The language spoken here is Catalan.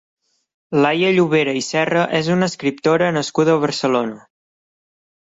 Laia Llobera i Serra és una escriptora nascuda a Barcelona.